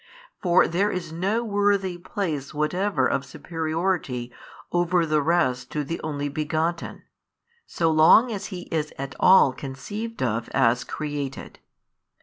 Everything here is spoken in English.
For there is no worthy place whatever of superiority over the rest to the Only Begotten, so long as He is at all conceived of as created.